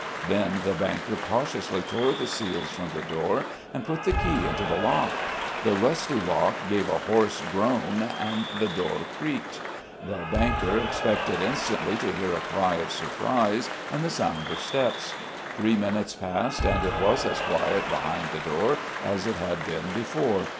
Then the banker cautiously tore the seals from the door and put the key into the lock. The rusty lock gave a hoarse groan and the door creaked. The banker expected instantly to hear a cry of surprise and the sound of steps. Three minutes passed and it was as quiet behind the door as it had been before.